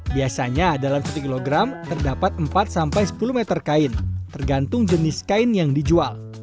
biasanya dalam satu kilogram terdapat empat sampai sepuluh meter kain tergantung jenis kain yang dijual